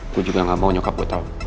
gue juga gak mau nyokap gue tau